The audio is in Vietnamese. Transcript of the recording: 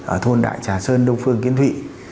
ở thôn đại trà sơn đông phương kiến thụy